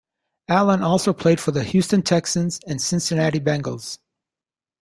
Allen also played for the Houston Texans and Cincinnati Bengals.